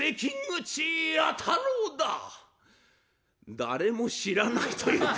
誰も知らないという。